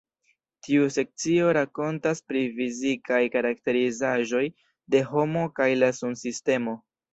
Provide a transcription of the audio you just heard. Tiu sekcio rakontas pri fizikaj karakterizaĵoj de homo kaj la Sunsistemo.